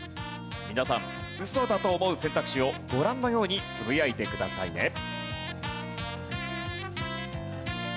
皆さんウソだと思う選択肢をご覧のようにつぶやいてくださいね。